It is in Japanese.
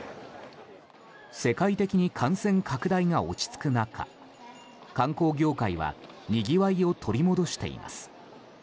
世界的に感染拡大が落ち着く中観光業界はにぎわいを取り戻しています。